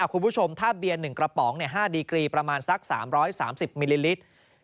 คุณผู้ชมถ้าเบียน๑กระป๋อง๕ดีกรีประมาณสัก๓๓๐มิลลิลิตร